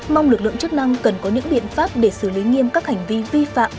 mong lực lượng chức năng cần có những biện pháp để xử lý nghiêm các hành vi vi phạm